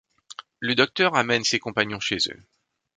Le Docteur ramène ses compagnons chez eux.